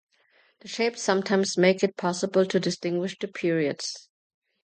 The shapes sometimes make it possible to distinguish the periods.